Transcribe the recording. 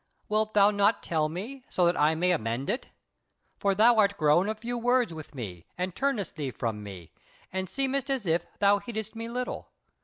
Wilt thou not tell me, so that I may amend it? For thou are grown of few words with me and turnest thee from me, and seemest as if thou heedest me little.